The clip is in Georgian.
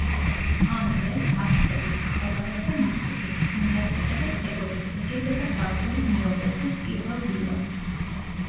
ამ დღეს ათასობით ახალგაზრდა მუსიკით, სიმღერებითა და ცეკვებით ეგებება ზაფხულის მეორე თვის პირველ დილას.